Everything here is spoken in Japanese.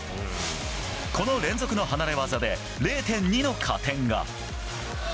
この連続の離れ技で０．２の加点が。